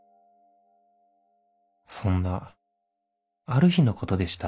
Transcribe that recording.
そんなある日のことでした